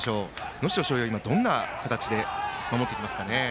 能代松陽、今どんな形で守ってきますかね。